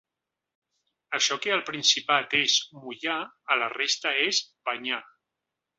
Això que al Principat és ‘mullar’, a la resta és ‘banyar’.